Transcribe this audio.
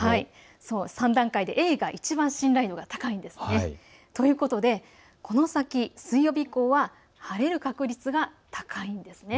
３段階でＡがいちばん信頼度が高いです。ということでこの先、水曜日以降は晴れる確率が高いです。